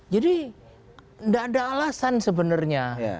jadi gak ada alasan sebenarnya